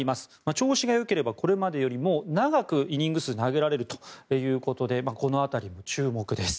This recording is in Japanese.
調子が良ければこれまでよりも長くイニング数が投げられるということでこの辺りも注目です。